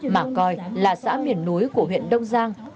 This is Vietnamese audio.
mà coi là xã miền núi của huyện đông giang